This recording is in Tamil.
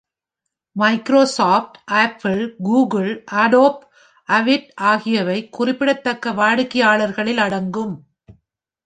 Microsoft, Apple, Google, Adobe, Avid ஆகியவை குறிப்பிடத்தக்க வாடிக்கையாளர்களில் அடங்கும்.